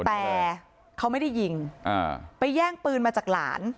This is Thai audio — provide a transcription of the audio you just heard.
แต่เขาไม่ได้ยิงไปแย่งปืนมาจากหลาน